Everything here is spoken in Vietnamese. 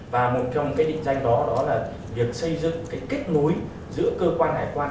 và một trong những định danh đó là việc xây dựng kết nối giữa cơ quan hải quan